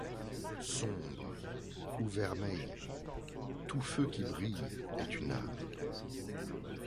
Sombre ou vermeil, Tout feu qui brille est une âme.